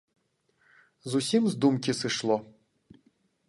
Зусім з думкі сышло.